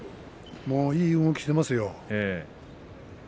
いい動きをしていますよ。